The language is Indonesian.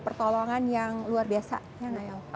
pertolongan yang luar biasa ya naya